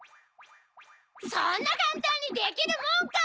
そんなかんたんにできるもんか！